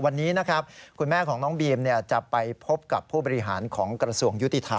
วันนี้นะครับคุณแม่ของน้องบีมจะไปพบกับผู้บริหารของกระทรวงยุติธรรม